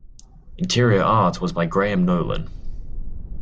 Interior art was by Graham Nolan.